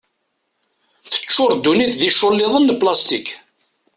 Teččur ddunit d iculliḍen n plastik.